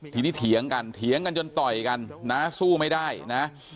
ทีนี้เถียงกันเถียงกันจนต่อยกันน้าสู้ไม่ได้นะ